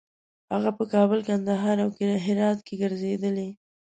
هغه په کابل، کندهار او هرات کې ګرځېدلی.